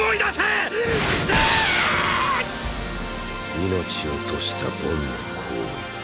命を賭したボンの行為。